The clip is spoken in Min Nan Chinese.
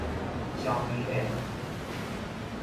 小鄙臉